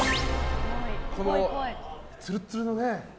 このツルツルのね。